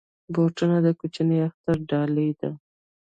بوټونه د کوچني اختر ډالۍ ده.